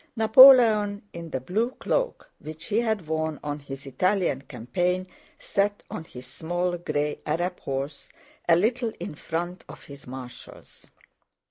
Napoleon, in the blue cloak which he had worn on his Italian campaign, sat on his small gray Arab horse a little in front of his marshals.